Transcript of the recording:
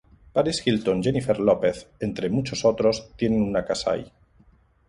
Paris Hilton, Jennifer Lopez, entre muchos otros, tienen una casa ahí.